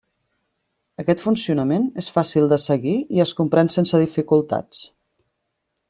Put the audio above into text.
Aquest funcionament és fàcil de seguir, i es comprèn sense dificultats.